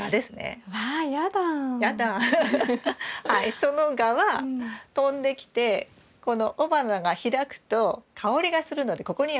そのガは飛んできてこの雄花が開くと香りがするのでここにやって来ます。